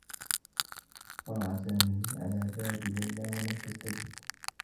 قرع سامي على باب ليلى و لم تستجب.